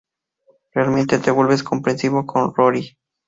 Realmente te vuelves comprensivo con Rory.